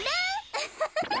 ウフフフッ。